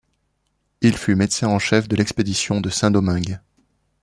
Il fut médecin en chef de l’expédition de Saint-Domingue.